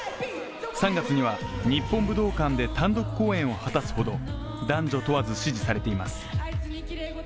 ３月には日本武道館で単独公演を果たすほど男女問わず、支持されています。